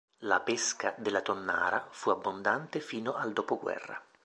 La pesca della tonnara fu abbondante fino al dopoguerra.